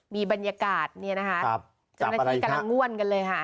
มีบรรยากาศเนี่ยนะคะเจ้าหน้าที่กำลังง่วนกันเลยค่ะ